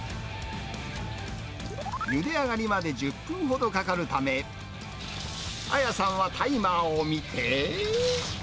ゆで上がりまで１０分ほどかかるため、彩さんはタイマーを見て。